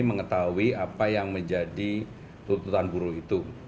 mengetahui apa yang menjadi tuntutan buruh itu